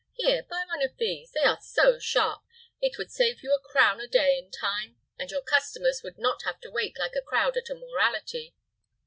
Here, buy one of these. They are so sharp, it would save you a crown a day in time, and your customers would not have to wait like a crowd at a morality."